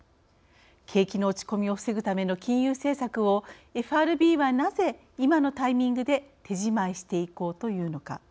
景気の落ち込みを防ぐための金融政策をＦＲＢはなぜ、今のタイミングで手じまいしていこうというのか。